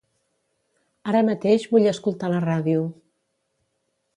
Ara mateix vull escoltar la ràdio.